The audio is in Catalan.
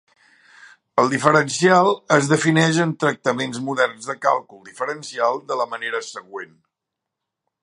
El diferencial es defineix en tractaments moderns de càlcul diferencial de la manera següent.